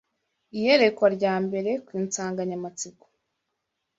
Iyerekwa rya mbere ku nsanganyamatsiko